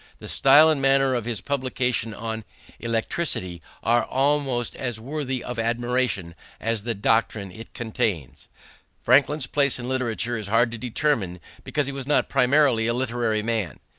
The style and manner of his publication on electricity are almost as worthy of admiration as the doctrine it contains." Franklin's place in literature is hard to determine because he was not primarily a literary man.